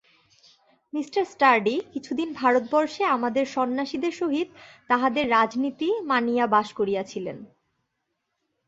Me Sturdy কিছুদিন ভারতবর্ষে আমাদের সন্ন্যাসীদের সহিত তাহাদের রীতিনীতি মানিয়া বাস করিয়াছিলেন।